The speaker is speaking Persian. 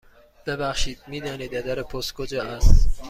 ببخشید، می دانید اداره پست کجا است؟